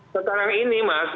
sekarang ini mas